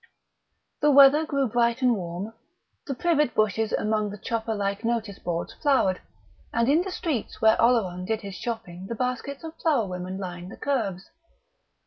The weather grew bright and warm. The privet bushes among the chopper like notice boards flowered, and in the streets where Oleron did his shopping the baskets of flower women lined the kerbs.